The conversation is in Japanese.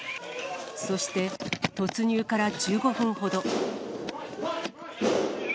そして、突入から１５分ほど。